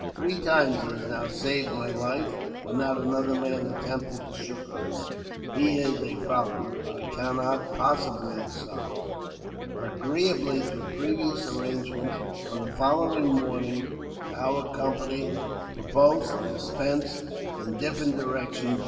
Three times he has now saved my life when not another man attempted to succour me. He is a problem I cannot possibly solve." JAMES P. BEGKWOUBTH. 67 Agreeably to previous arrangement, on the following morning our company proposed to disperse in different directions.